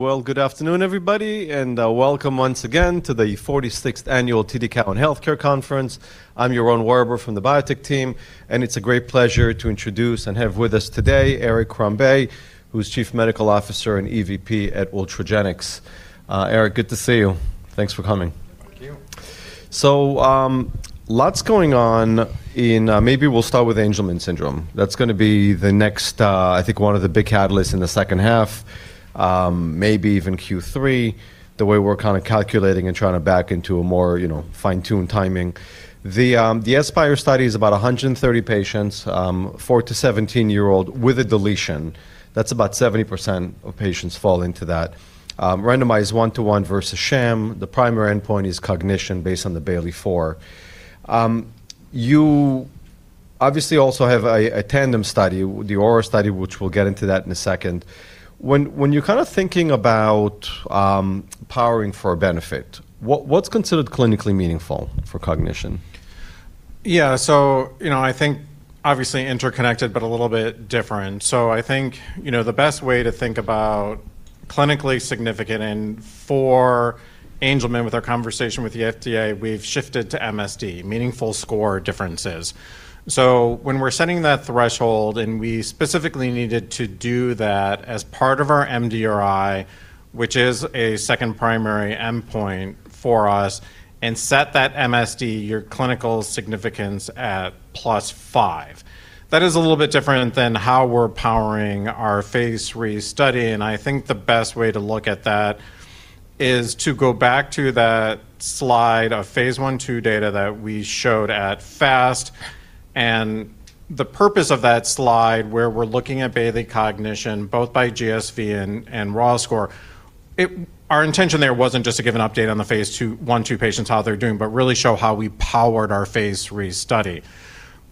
Well, good afternoon, everybody, welcome once again to the 46th Annual TD Cowen Healthcare Conference. I'm Yaron Werber from the biotech team, and it's a great pleasure to introduce and have with us today Eric Crombez, who is Chief Medical Officer and EVP at Ultragenyx. Eric, good to see you. Thanks for coming. Thank you. Lots going on in. Maybe we'll start with Angelman syndrome. That's gonna be the next, I think one of the big catalysts in the H2, maybe even Q3, the way we're kinda calculating and trying to back into a more fine-tuned timing. The Aspire study is about 130 patients, 4 to 17-year-old, with a deletion. That's about 70% of patients fall into that. Randomized 1-to-1 versus sham. The primary endpoint is cognition based on the Bayley-4. You obviously also have a Tandem study, the Aurora study, which we'll get into that in a second. When you're kinda thinking about powering for a benefit, what's considered clinically meaningful for cognition? Yeah. You know, I think obviously interconnected but a little bit different. I think, you know, the best way to think about clinically significant and for Angelman, with our conversation with the FDA, we've shifted to MSD, meaningful score differences. When we're setting that threshold, and we specifically needed to do that as part of our MDRI, which is a second primary endpoint for us, and set that MSD, your clinical significance, at +5. That is a little bit different than how we're powering our phase III study, and I think the best way to look at that is to go back to that slide of phase 1/2 data that we showed at FAST. The purpose of that slide, where we're looking at Bayley cognition, both by GSV and raw score, Our intention there wasn't just to give an update on the phase II, one, two patients, how they're doing, but really show how we powered our phase III study.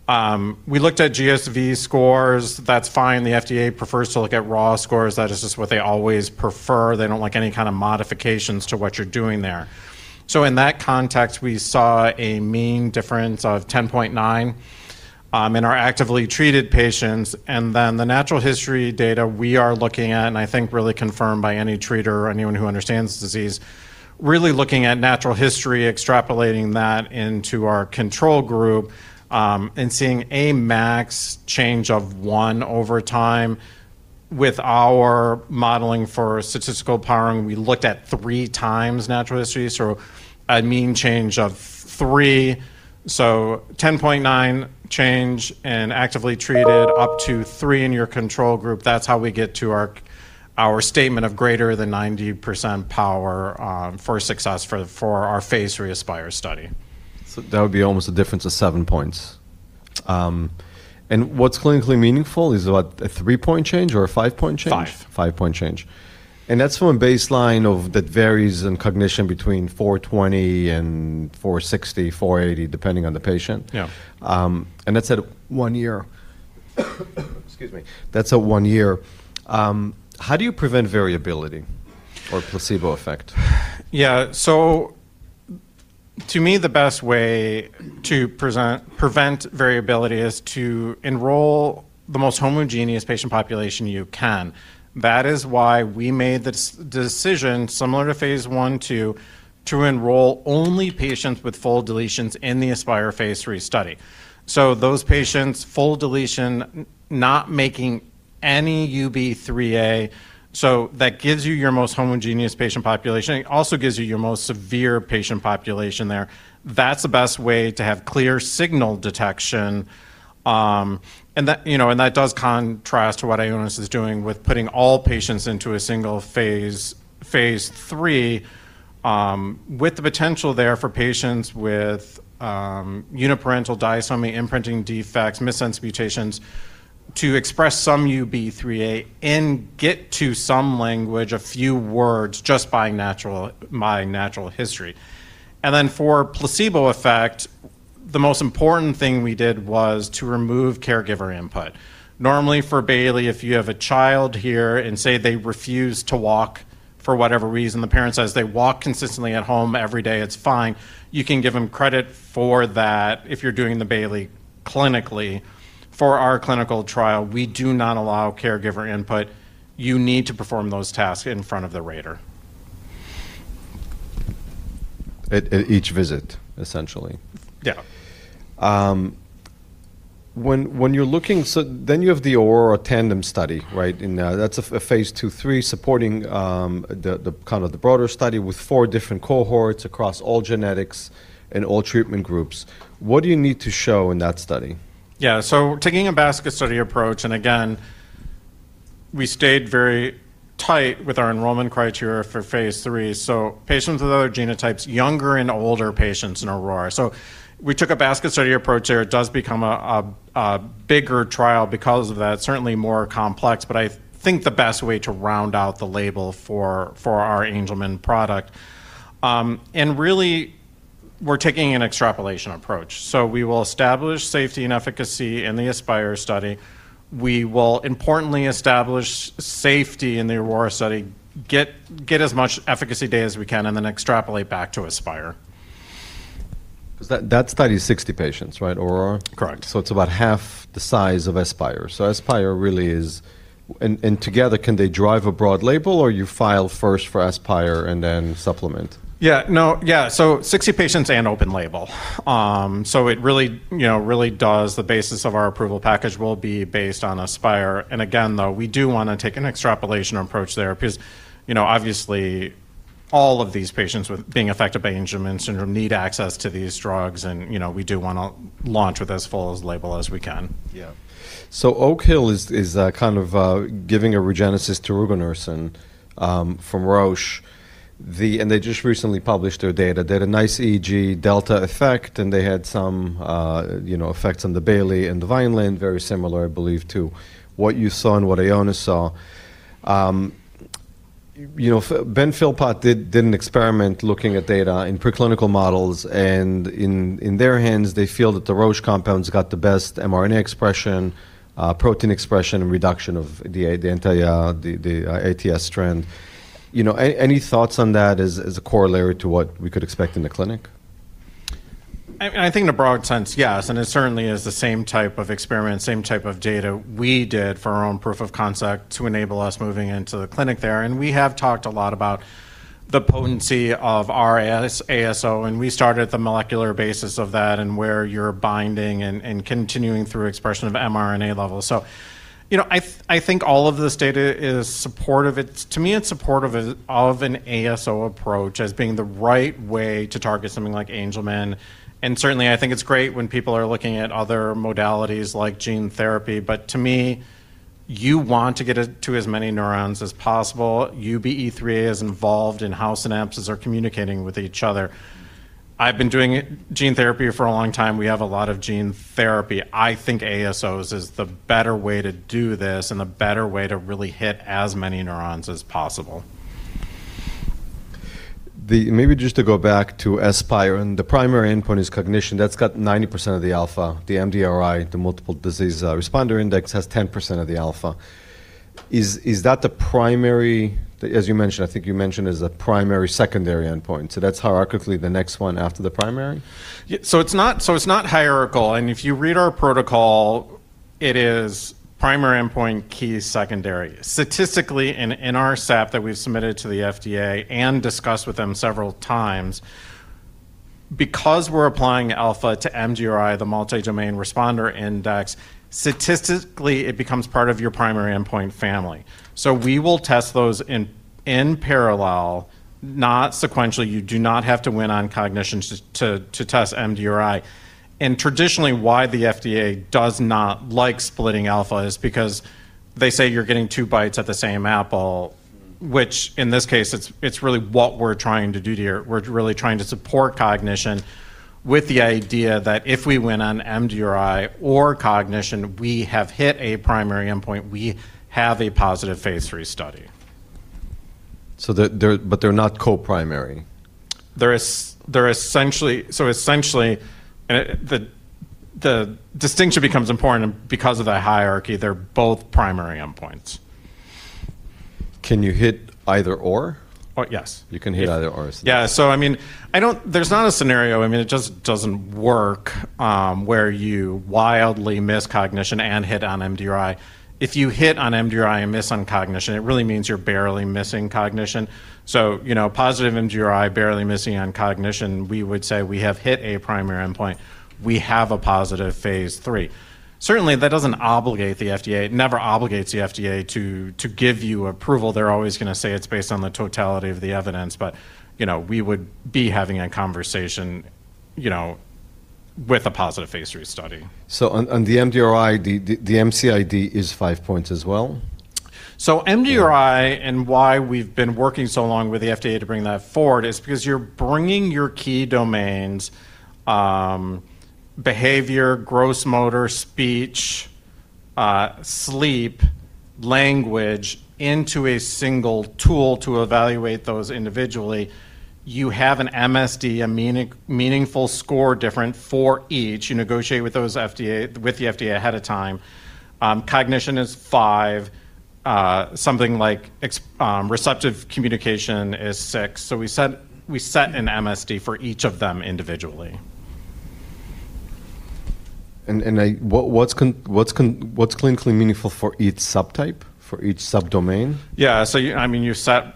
We looked at GSV scores. That's fine. The FDA prefers to look at raw scores. That is just what they always prefer. They don't like any kind of modifications to what you're doing there. In that context, we saw a mean difference of 10.9 in our actively treated patients. The natural history data we are looking at, and I think really confirmed by any treater or anyone who understands the disease, really looking at natural history, extrapolating that into our control group, and seeing a max change of one over time. With our modeling for statistical powering, we looked at three times natural history, so a mean change of three. 10.9 change in actively treated up to three in your control group. That's how we get to our statement of greater than 90% power for success for our phase III Aspire study. That would be almost a difference of seven points. And what's clinically meaningful is what? A three-point change or a five-point change? Five. Five-point change. That's from a baseline that varies in cognition between 420 and 460, 480, depending on the patient. Yeah. That's at one year. Excuse me. That's at one year. How do you prevent variability or placebo effect? Yeah. To me, the best way to prevent variability is to enroll the most homogeneous patient population you can. That is why we made the decision, similar to Phase 1/2, to enroll only patients with full deletions in the Aspire Phase III study. Those patients, full deletion, not making any UBE3A, so that gives you your most homogeneous patient population. It also gives you your most severe patient population there. That's the best way to have clear signal detection, and that, you know, and that does contrast to what Ionis is doing with putting all patients into a single phase, Phase III, with the potential there for patients with uniparental disomy imprinting defects, missense mutations, to express some UBE3A and get to some language, a few words, just by natural history. For placebo effect, the most important thing we did was to remove caregiver input. Normally for Bayley, if you have a child here and say they refuse to walk for whatever reason, the parent says they walk consistently at home every day, it's fine. You can give them credit for that if you're doing the Bayley clinically. For our clinical trial, we do not allow caregiver input. You need to perform those tasks in front of the rater. At each visit, essentially. Yeah. You have the Aurora Tandem study, right? That's a phase II/III supporting the kind of the broader study with four different cohorts across all genetics and all treatment groups. What do you need to show in that study? Taking a basket study approach, and again, we stayed very tight with our enrollment criteria for phase III, so patients with other genotypes, younger and older patients in Aurora. We took a basket study approach there. It does become a bigger trial because of that, certainly more complex, but I think the best way to round out the label for our Angelman product. Really, we're taking an extrapolation approach. We will establish safety and efficacy in the Aspire study. We will importantly establish safety in the Aurora study, get as much efficacy data as we can, and then extrapolate back to Aspire. 'Cause that study is 60 patients, right, Aurora? Correct. It's about half the size of ASPIRE. Together, can they drive a broad label, or you file first for ASPIRE and then supplement? Yeah, no. Yeah. 60 patients and open label. It really, you know, really does the basis of our approval package will be based on ASPIRE. Again, though, we do wanna take an extrapolation approach there because, you know, obviously all of these patients being affected by Angelman syndrome need access to these drugs and, you know, we do wanna launch with as full as label as we can. Oakhill Bio is kind of giving a regenesis to rugonersen from Roche. They just recently published their data. They had a nice EEG delta effect, and they had some, you know, effects on the Bayley and the Vineland, very similar, I believe, to what you saw and what Ioana saw. You know, Ben Philpot did an experiment looking at data in preclinical models, and in their hands, they feel that the Roche compounds got the best mRNA expression, protein expression, and reduction of the anti, the ASO trend. You know, any thoughts on that as a corollary to what we could expect in the clinic? I think in a broad sense, yes, it certainly is the same type of experiment, same type of data we did for our own proof of concept to enable us moving into the clinic there. We have talked a lot about the potency of our ASO, and we started at the molecular basis of that and where you're binding and continuing through expression of mRNA levels. You know, I think all of this data is supportive. To me, it's supportive of an ASO approach as being the right way to target something like Angelman. Certainly, I think it's great when people are looking at other modalities like gene therapy. To me, you want to get it to as many neurons as possible. UBE3A is involved in how synapses are communicating with each other. I've been doing gene therapy for a long time. We have a lot of gene therapy. I think ASOs is the better way to do this and the better way to really hit as many neurons as possible. Maybe just to go back to Aspire, the primary endpoint is cognition. That's got 90% of the alpha. The MDRI, the Multi-Domain Responder Index, has 10% of the alpha. Is that the primary, as you mentioned, I think you mentioned, as a primary, secondary endpoint? That's hierarchically the next one after the primary? Yeah. It's not hierarchical, and if you read our protocol, it is primary endpoint, key secondary. Statistically, in our SAP that we've submitted to the FDA and discussed with them several times, because we're applying alpha to MDRI, the Multi-Domain Responder Index, statistically, it becomes part of your primary endpoint family. We will test those in parallel, not sequentially. You do not have to win on cognition to test MDRI. Traditionally, why the FDA does not like splitting alpha is because they say you're getting two bites at the same apple, which in this case, it's really what we're trying to do here. We're really trying to support cognition with the idea that if we win on MDRI or cognition, we have hit a primary endpoint. We have a positive phase III study. They're not co-primary. Essentially, the distinction becomes important because of the hierarchy. They're both primary endpoints. Can you hit either or? Oh, yes. You can hit either or. Yeah. I mean, I don't-- There's not a scenario, I mean, it just doesn't work, where you wildly miss cognition and hit on MDRI. If you hit on MDRI and miss on cognition, it really means you're barely missing cognition. You know, positive MDRI, barely missing on cognition, we would say we have hit a primary endpoint. We have a positive phase III. Certainly, that doesn't obligate the FDA. It never obligates the FDA to give you approval. They're always gonna say it's based on the totality of the evidence, you know, we would be having a conversation, you know, with a positive phase III study. On the MDRI, the MCID is five points as well? MDRI. Yeah And why we've been working so long with the FDA to bring that forward is because you're bringing your key domains, behavior, gross motor, speech, sleep, language, into a single tool to evaluate those individually. You have an MSD, a meaningful score different for each. You negotiate with the FDA ahead of time. Cognition is five. Something like receptive communication is six. So we set an MSD for each of them individually. What's clinically meaningful for each subtype? For each subdomain? Yeah. I mean, you set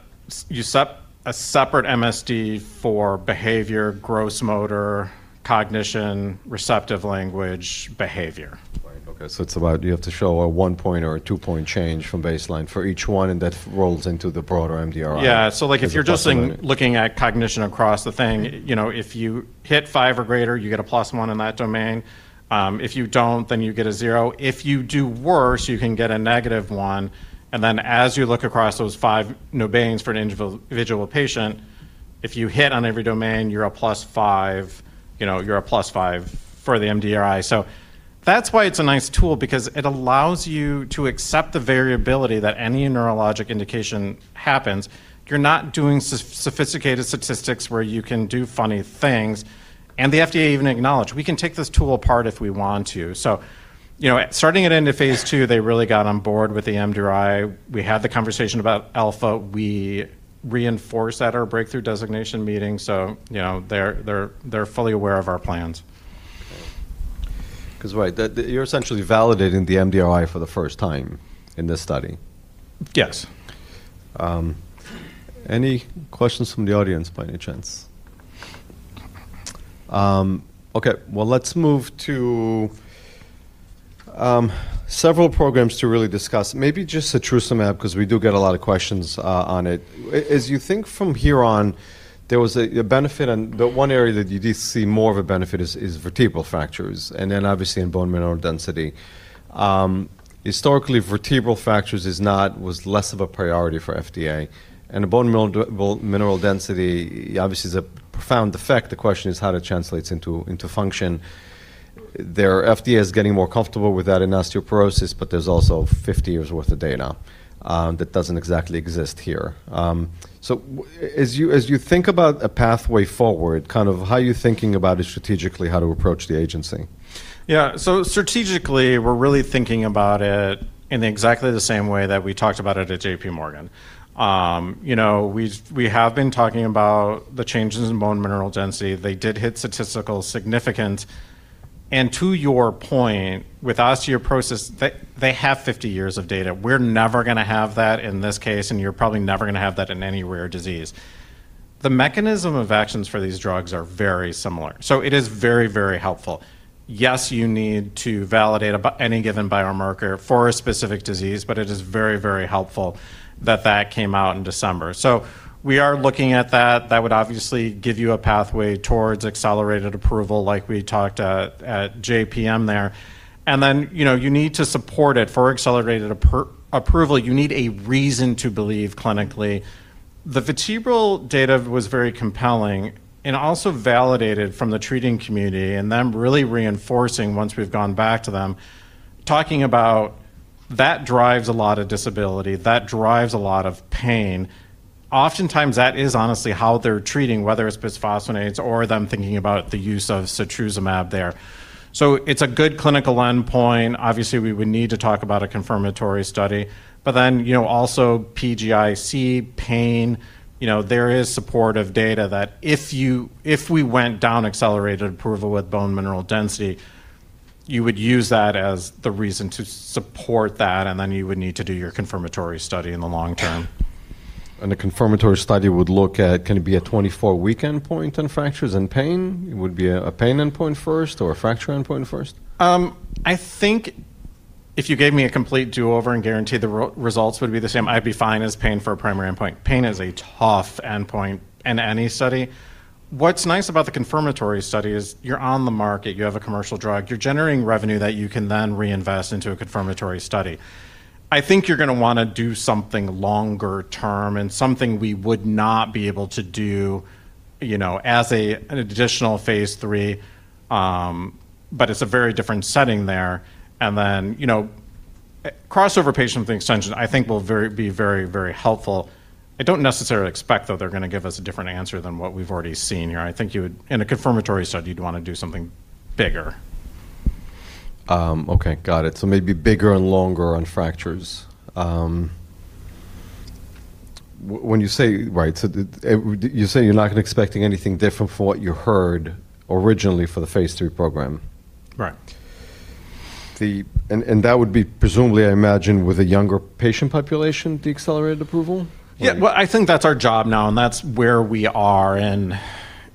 a separate MSD for behavior, gross motor, cognition, receptive language, behavior. Right. Okay. It's about you have to show a one-point or a two-point change from baseline for each one, and that rolls into the broader MDRI. Yeah. like if you're just- Is it plus one? Looking at cognition across the... Mm-hmm You know, if you hit five or greater, you get a plus one in that domain. If you don't, you get a zero. If you do worse, you can get a negative one, as you look across those five domains for an individual patient, if you hit on every domain, you're a +5. You know, you're a +5 for the MDRI. That's why it's a nice tool because it allows you to accept the variability that any neurologic indication happens. You're not doing sophisticated statistics where you can do funny things, the FDA even acknowledged, "We can take this tool apart if we want to." You know, starting it into phase II, they really got on board with the MDRI. We had the conversation about alpha. We reinforced that our breakthrough designation meeting. You know, they're fully aware of our plans. 'Cause right. You're essentially validating the MDRI for the first time in this study. Yes. Any questions from the audience by any chance? Okay. Well, let's move to several programs to really discuss. Maybe just setrusumab, 'cause we do get a lot of questions on it. As you think from here on, there was a benefit and the one area that you did see more of a benefit is vertebral fractures, and then obviously in bone mineral density. Historically, vertebral fractures was less of a priority for FDA. The bone mineral density obviously is a profound effect. The question is how that translates into function. FDA is getting more comfortable with that in osteoporosis, but there's also 50 years' worth of data that doesn't exactly exist here. As you think about a pathway forward, kind of how you're thinking about it strategically, how to approach the agency? Yeah. Strategically, we're really thinking about it in exactly the same way that we talked about it at J.P. Morgan. You know, we have been talking about the changes in bone mineral density. They did hit statistical significance. To your point, with osteoporosis, they have 50 years of data. We're never gonna have that in this case, and you're probably never gonna have that in any rare disease. The mechanism of actions for these drugs are very similar, so it is very, very helpful. Yes, you need to validate any given biomarker for a specific disease, but it is very, very helpful that that came out in December. We are looking at that. That would obviously give you a pathway towards accelerated approval like we talked at JPM there. Then, you know, you need to support it. For accelerated approval, you need a reason to believe clinically. The vertebral data was very compelling and also validated from the treating community, and them really reinforcing once we've gone back to them, talking about that drives a lot of disability, that drives a lot of pain. Oftentimes, that is honestly how they're treating, whether it's bisphosphonates or them thinking about the use of setrusumab there. It's a good clinical endpoint. Obviously, we would need to talk about a confirmatory study. You know, also PGIC, pain, you know, there is supportive data that if we went down accelerated approval with bone mineral density, you would use that as the reason to support that, and then you would need to do your confirmatory study in the long term. The confirmatory study would look at, can it be a 24-week endpoint in fractures and pain? It would be a pain endpoint first or a fracture endpoint first? I think if you gave me a complete do-over and guaranteed the results would be the same, I'd be fine as pain for a primary endpoint. Pain is a tough endpoint in any study. What's nice about the confirmatory study is you're on the market, you have a commercial drug, you're generating revenue that you can then reinvest into a confirmatory study. I think you're gonna wanna do something longer term and something we would not be able to do, you know, as an additional phase III, but it's a very different setting there. Then, you know, crossover patient extension I think will be very, very helpful. I don't necessarily expect that they're gonna give us a different answer than what we've already seen here. I think in a confirmatory study, you'd wanna do something bigger. Okay. Got it. Maybe bigger and longer on fractures. When you say... Right. You say you're not expecting anything different from what you heard originally for the phase III program. Right. That would be presumably, I imagine, with a younger patient population, the accelerated approval? Yeah. Well, I think that's our job now, and that's where we are.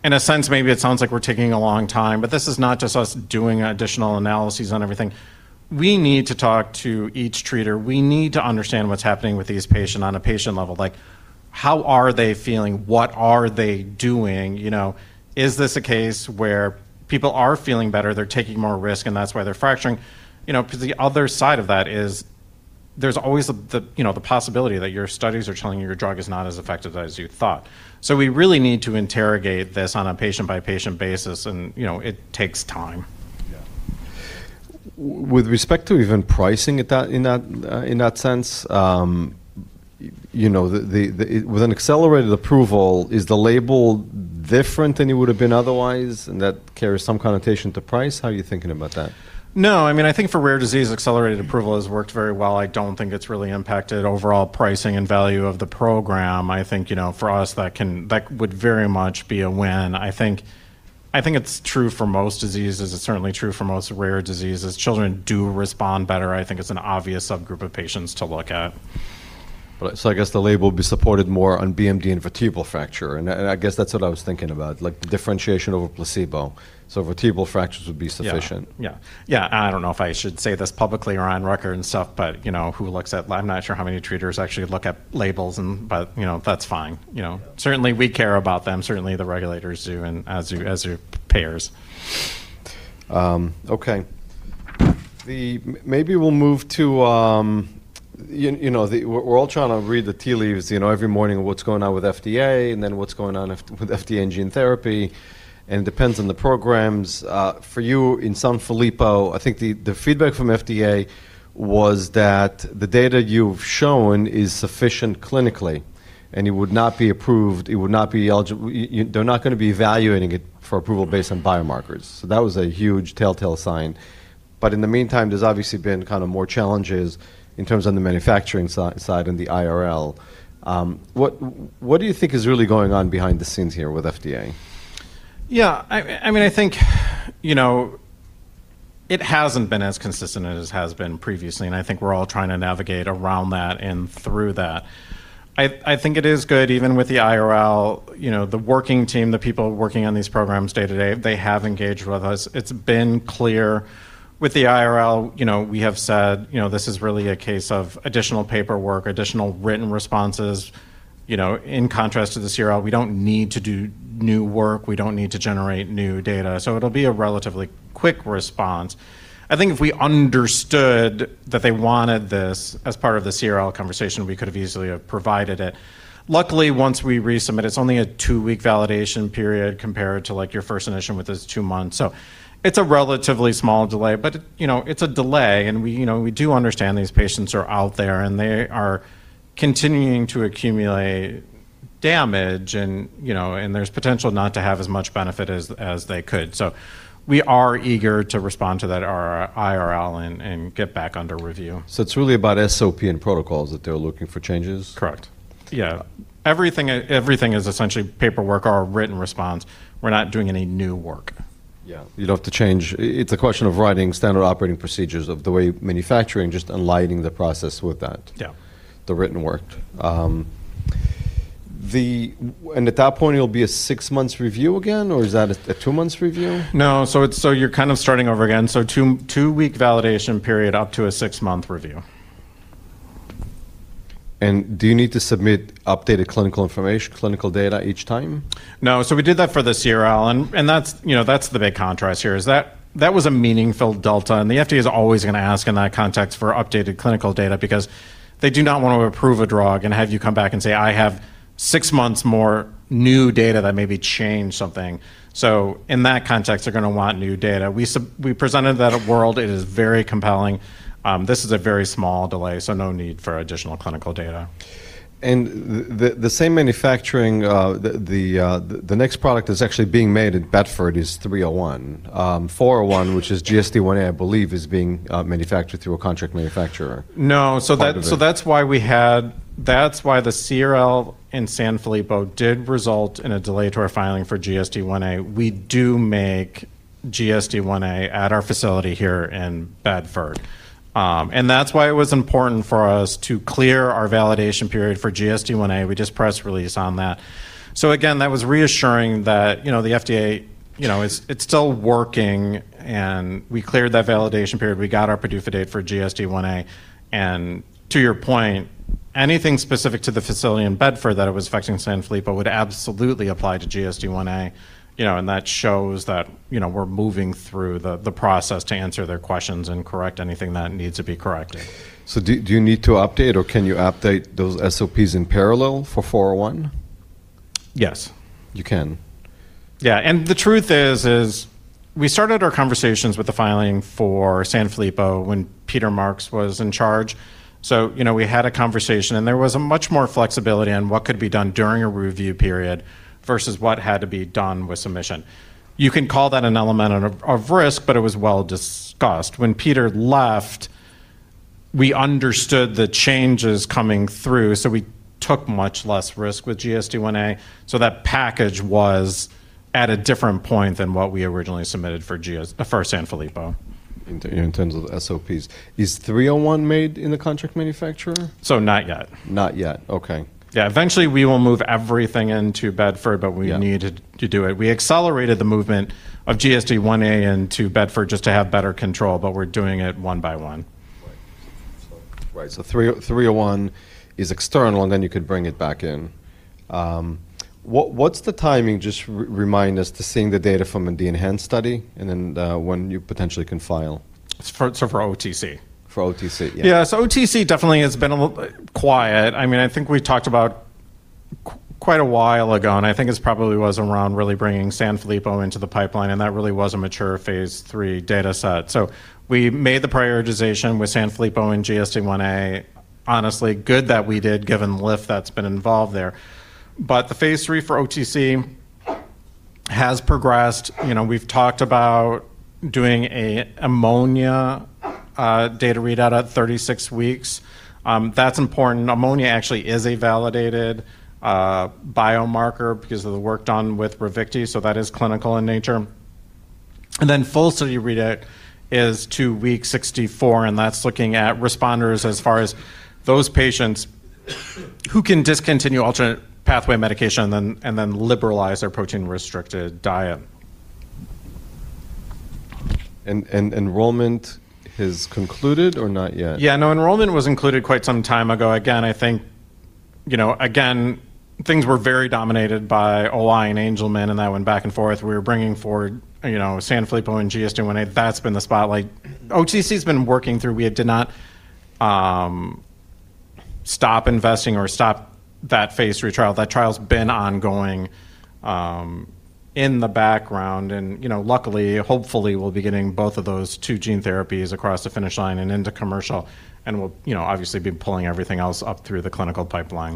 In a sense, maybe it sounds like we're taking a long time, but this is not just us doing additional analyses on everything. We need to talk to each treater. We need to understand what's happening with these patient on a patient level, like how are they feeling? What are they doing? You know, is this a case where people are feeling better, they're taking more risk, and that's why they're fracturing? You know, 'cause the other side of that is there's always the, you know, the possibility that your studies are telling you your drug is not as effective as you thought. We really need to interrogate this on a patient-by-patient basis and, you know, it takes time. Yeah. With respect to even pricing in that sense, you know, with an accelerated approval, is the label different than it would have been otherwise? That carries some connotation to price? How are you thinking about that? No. I mean, I think for rare disease, accelerated approval has worked very well. I don't think it's really impacted overall pricing and value of the program. I think, you know, for us, that would very much be a win. I think it's true for most diseases. It's certainly true for most rare diseases. Children do respond better. I think it's an obvious subgroup of patients to look at. I guess the label will be supported more on BMD and vertebral fracture, and I guess that's what I was thinking about, like the differentiation over placebo. Vertebral fractures would be sufficient. Yeah. Yeah. Yeah. I don't know if I should say this publicly or on record and stuff, but, you know. I'm not sure how many treaters actually look at labels. you know, that's fine, you know. Certainly, we care about them, certainly the regulators do, and as do payers. Okay. Maybe we'll move to, you know, we're all trying to read the tea leaves, you know, every morning of what's going on with FDA and then what's going on with FDA and gene therapy, and it depends on the programs. For you in Sanfilippo, I think the feedback from FDA was that the data you've shown is sufficient clinically, and they're not gonna be evaluating it for approval based on biomarkers. That was a huge telltale sign. In the meantime, there's obviously been kinda more challenges in terms of the manufacturing side and the IRL. What do you think is really going on behind the scenes here with FDA? Yeah. I mean, I think, you know, it hasn't been as consistent as it has been previously, and I think we're all trying to navigate around that and through that. I think it is good even with the IRL, you know, the working team, the people working on these programs day-to-day, they have engaged with us. It's been clear with the IRL, you know, we have said, you know, this is really a case of additional paperwork, additional written responses, you know, in contrast to the CRL. We don't need to do new work. We don't need to generate new data. It'll be a relatively quick response. I think if we understood that they wanted this as part of the CRL conversation, we could have easily have provided it. Luckily, once we resubmit, it's only a two-week validation period compared to, like, your first submission, which is two months. It's a relatively small delay, but, you know, it's a delay, and we, you know, we do understand these patients are out there, and they are continuing to accumulate damage and, you know, and there's potential not to have as much benefit as they could. We are eager to respond to that IRL and get back under review. It's really about SOP and protocols that they're looking for changes? Correct. Yeah. Everything is essentially paperwork or a written response. We're not doing any new work. Yeah. It's a question of writing standard operating procedures of the way you're manufacturing, just aligning the process with that- Yeah The written work. At that point, it'll be a six months review again, or is that a two months review? No. You're kind of starting over again. two-week validation period up to a six-month review. Do you need to submit updated clinical data each time? No. We did that for the CRL, and that's, you know, that's the big contrast here is that that was a meaningful delta, and the FDA's always gonna ask in that context for updated clinical data because they do not wanna approve a drug and have you come back and say, "I have six months more new data that maybe change something." In that context, they're gonna want new data. We presented that at WORLD*Symposium*. It is very compelling. This is a very small delay, so no need for additional clinical data. The same manufacturing, the next product is actually being made in Bedford is DTX301. DTX401, which is GSDIa, I believe, is being manufactured through a contract manufacturer. No. Part of the- That's why the CRL in Sanfilippo did result in a delay to our filing for GSDIa. We do make GSDIa at our facility here in Bedford. That's why it was important for us to clear our validation period for GSDIa. We just pressed release on that. Again, that was reassuring that, you know, the FDA, you know, it's still working, and we cleared that validation period. We got our PDUFA date for GSDIa, and to your point, anything specific to the facility in Bedford that it was affecting Sanfilippo would absolutely apply to GSDIa, you know, and that shows that, you know, we're moving through the process to answer their questions and correct anything that needs to be corrected. Do you need to update, or can you update those SOPs in parallel for 401? Yes. You can. Yeah. The truth is we started our conversations with the filing for Sanfilippo when Peter Marks was in charge. You know, we had a conversation, and there was a much more flexibility on what could be done during a review period versus what had to be done with submission. You can call that an element of risk, but it was well discussed. When Peter left, we understood the changes coming through, so we took much less risk with GSDIa, so that package was at a different point than what we originally submitted for Sanfilippo. In terms of SOPs. Is 301 made in the contract manufacturer? Not yet. Not yet, okay. Yeah. Eventually, we will move everything into Bedford, but we- Yeah need to do it. We accelerated the movement of GSDIa into Bedford just to have better control. We're doing it one by one. Right. So 301 is external, and then you could bring it back in. What's the timing, just remind us, to seeing the data from the enhance study and then, when you potentially can file? For OTC? For OTC, yeah. Yeah. OTC definitely has been a little quiet. I mean, I think we talked about quite a while ago, and I think this probably was around really bringing Sanfilippo into the pipeline, and that really was a mature phase III data set. We made the prioritization with Sanfilippo and GSDIa. Honestly, good that we did given the lift that's been involved there. The phase III for OTC has progressed. You know, we've talked about doing a ammonia data readout at 36 weeks. That's important. Ammonia actually is a validated biomarker because of the work done with Ravicti, so that is clinical in nature. Full study readout is to week 64, and that's looking at responders as far as those patients who can discontinue alternate pathway medication and then liberalize their protein-restricted diet. Enrollment has concluded or not yet? Yeah, no, enrollment was included quite some time ago. I think, you know, again, things were very dominated by OI and Angelman syndrome, and that went back and forth. We were bringing forward, you know, Sanfilippo syndrome and GSDIa. That's been the spotlight. OTC's been working through. We have did not stop investing or that phase III trial, that trial's been ongoing in the background. You know, luckily, hopefully, we'll be getting both of those two gene therapies across the finish line and into commercial, and we'll, you know, obviously be pulling everything else up through the clinical pipeline.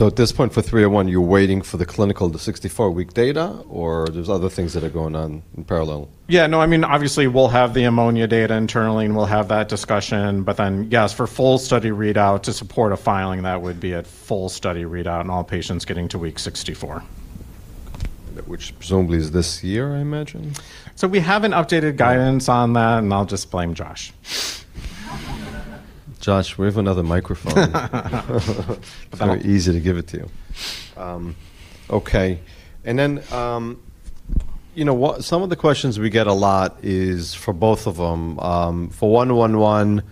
At this point, for three oh one, you're waiting for the clinical, the 64-week data, or there's other things that are going on in parallel? Yeah, no, I mean, obviously we'll have the ammonia data internally. We'll have that discussion. Yes, for full study readout to support a filing, that would be a full study readout and all patients getting to week 64. Which presumably is this year, I imagine. We haven't updated guidance on that, and I'll just blame Josh. Josh, we have another microphone. Very easy to give it to you. Okay. You know, some of the questions we get a lot is for both of 'em, for UX111,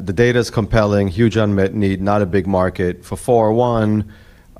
the data's compelling, huge unmet need, not a big market. For DTX401,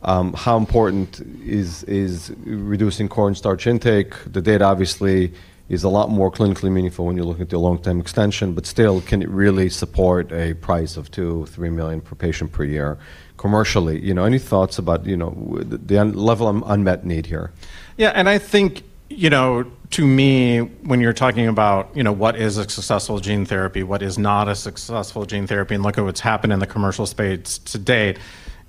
how important is reducing corn starch intake? The data obviously is a lot more clinically meaningful when you're looking at the long-term extension, but still, can it really support a price of $2 million-$3 million per patient per year commercially? You know, any thoughts about, you know, the un-level of unmet need here? Yeah, and I think, you know, to me, when you're talking about, you know, what is a successful gene therapy, what is not a successful gene therapy, and look at what's happened in the commercial space to date,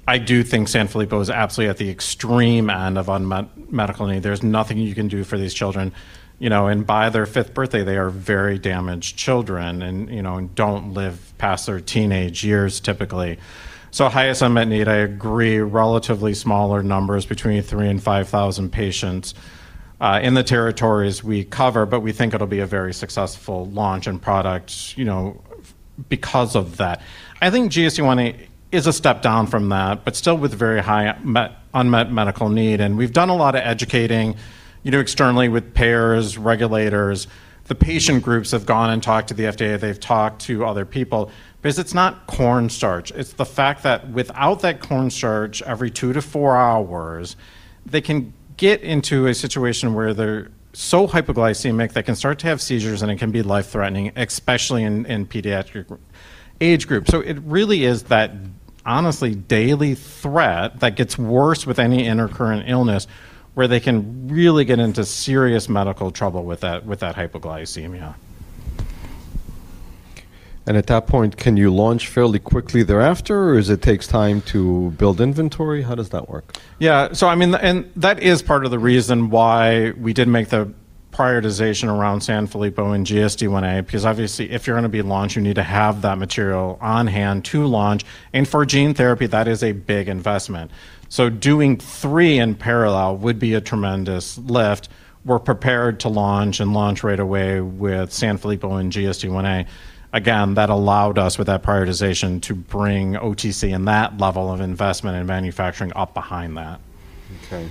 I do think Sanfilippo is absolutely at the extreme end of unmet medical need. There's nothing you can do for these children, you know, and by their fifth birthday, they are very damaged children and, you know, don't live past their teenage years typically. Highest unmet need, I agree, relatively smaller numbers between three and 5,000 patients in the territories we cover, but we think it'll be a very successful launch and product, you know, because of that. I think GSDIa is a step down from that, but still with very high unmet medical need. We've done a lot of educating, you know, externally with payers, regulators. The patient groups have gone and talked to the FDA, they've talked to other people, because it's not corn starch. It's the fact that without that corn starch every two to four hours, they can get into a situation where they're so hypoglycemic they can start to have seizures, and it can be life-threatening, especially in pediatric age groups. It really is that honestly daily threat that gets worse with any intercurrent illness where they can really get into serious medical trouble with that hypoglycemia. At that point, can you launch fairly quickly thereafter, or is it takes time to build inventory? How does that work? I mean, that is part of the reason why we did make the prioritization around Sanfilippo and GSDIa, because obviously, if you're gonna be launch, you need to have that material on hand to launch. For gene therapy, that is a big investment. Doing three in parallel would be a tremendous lift. We're prepared to launch and launch right away with Sanfilippo and GSDIa. That allowed us with that prioritization to bring OTC and that level of investment in manufacturing up behind that. Okay.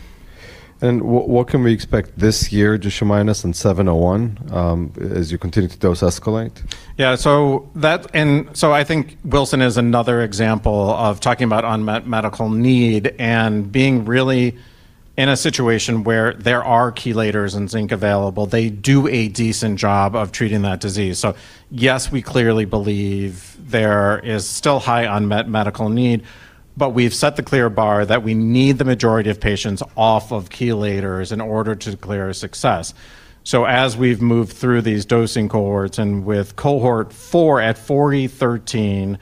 What can we expect this year, Duchenne minus and 701, as you continue to dose escalate? Yeah. I think Wilson is another example of talking about unmet medical need and being really in a situation where there are chelators and zinc available. They do a decent job of treating that disease. Yes, we clearly believe there is still high unmet medical need, but we've set the clear bar that we need the majority of patients off of chelators in order to declare a success. As we've moved through these dosing cohorts and with cohort 4 at 4x10^13,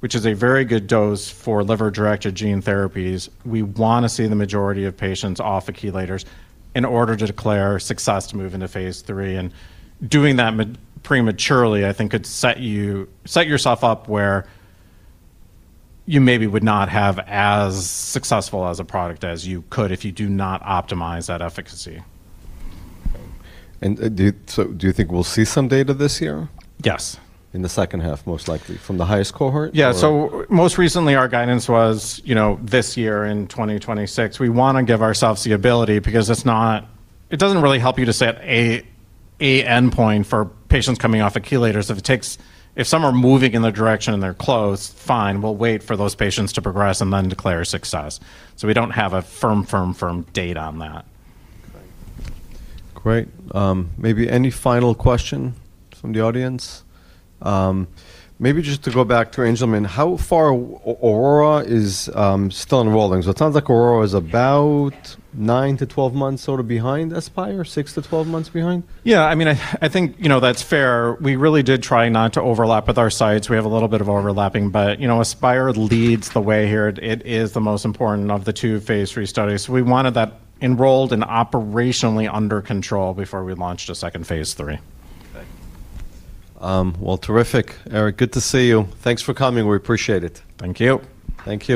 which is a very good dose for liver-directed gene therapies, we wanna see the majority of patients off of chelators in order to declare success to move into phase III. Doing that med-prematurely, I think could set yourself up where you maybe would not have as successful as a product as you could if you do not optimize that efficacy. Do you think we'll see some data this year? Yes. In the H2, most likely, from the highest cohort? Yeah. Most recently, our guidance was, you know, this year in 2026. We wanna give ourselves the ability because it's not. It doesn't really help you to set a endpoint for patients coming off of chelators. If some are moving in the direction and they're close, fine, we'll wait for those patients to progress and then declare success. We don't have a firm date on that. Okay. Great. Maybe any final question from the audience? Maybe just to go back to Angelman. How far Aurora is, still enrolling? It sounds like Aurora is about nine to 12 months sort of behind Aspire, six to 12 months behind? Yeah, I mean, I think, you know, that's fair. We really did try not to overlap with our sites. We have a little bit of overlapping, but, you know, Aspire leads the way here. It is the most important of the two phase III studies. We wanted that enrolled and operationally under control before we launched a second phase III. Okay. Well, terrific. Eric, good to see you. Thanks for coming. We appreciate it. Thank you. Thank you.